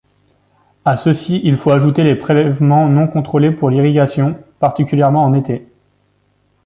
À ceci il faut ajouter les prélèvements non contrôlés pour l'irrigation, particulièrement en été.